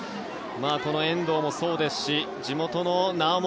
この遠藤もそうですし地元の猶本